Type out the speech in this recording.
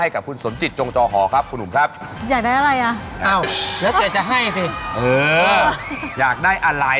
ดูสิซอยทองไม่มี